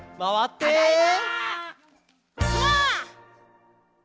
「ただいま！」